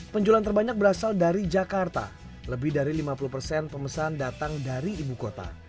penjualan terbanyak berasal dari jakarta lebih dari lima puluh persen pemesan datang dari ibu kota